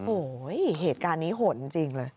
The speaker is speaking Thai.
โอ้โหเหตุการณ์นี้โหดจริงเลย